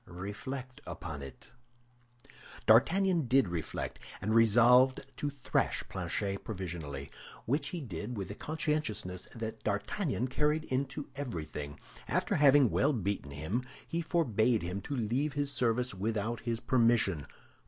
Reflect upon it." D'Artagnan did reflect, and resolved to thrash Planchet provisionally; which he did with the conscientiousness that D'Artagnan carried into everything. After having well beaten him, he forbade him to leave his service without his permission.